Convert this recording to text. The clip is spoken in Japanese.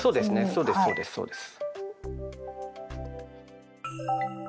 そうですそうですそうです。